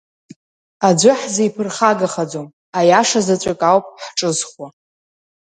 Аӡәы ҳзиԥырхагахаӡом, аиаша заҵәык ауп ҳҿызхуа.